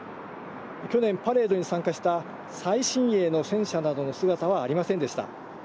去年、パレードに参加した最新鋭の戦車などの姿はありませんでした。